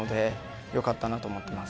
よかったなと思います。